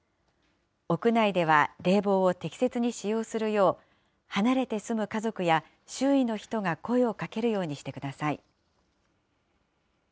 屋内では冷房を適切に使用するよう、離れて住む家族や周囲の人が声をかけるようにしてください。